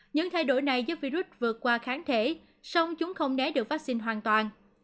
những thay đổi này giúp virus vượt qua kháng thể song chúng không né được vaccine hoàn toàn